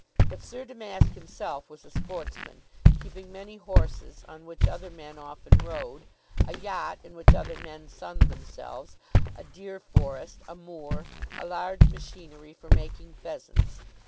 But Sir Damask himself was a sportsman, keeping many horses on which other men often rode, a yacht in which other men sunned themselves, a deer forest, a moor, a large machinery for making pheasants.